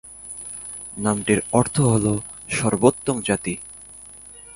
নামটির অর্থ হলো "সর্বোত্তম জাতি"।